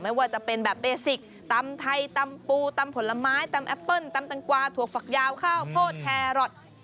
ไม่ว่าจะเป็นแบบเบสิกตำไทยตำปูตำผลไม้ตำแอปเปิ้ลตำแตงกวาถั่วฝักยาวข้าวโพดแครอท